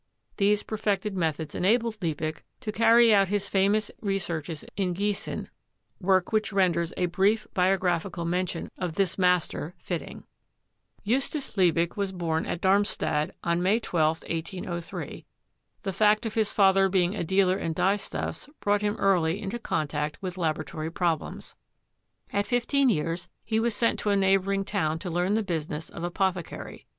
These perfected methods enabled Liebig to carry out his famous researches in Giessen, work which renders a brief biographical mention of this master fitting. Justus Liebig was born at Darmstadt on May 12, 1803. The fact of his father being a dealer in dye stuffs brought him early into contact with laboratory problems. At fif teen years he was sent to a neighboring town to learn the business of apothecary.